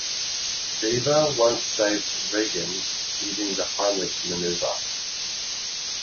Deaver once saved Reagan using the Heimlich maneuver.